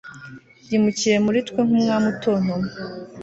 yimukiye muri twe, nk'umwami utontoma